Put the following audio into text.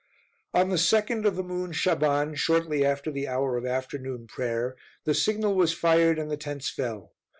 On the 2d of the moon Shaban, shortly after the hour of afternoon prayer, the signal was fired and the tents fell.